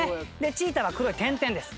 チーターは黒い点々です。